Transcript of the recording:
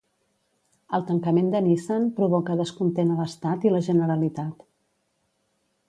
El tancament de Nissan provoca descontent a l'Estat i la Generalitat.